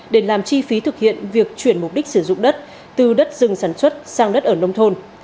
để làm chi phí thực hiện việc chuyển mục đích sử dụng đất từ đất rừng sản xuất sang đất ở nông thôn